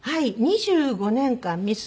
２５年間ミス